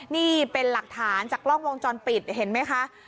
นี่เป็นหลักฐานจากกล้องวงจรปิดเห็นไหมคะ